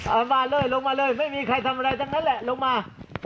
เอามาเลยลงมาเลยไม่มีใครทำอะไรทั้งนั้นแหละลงมา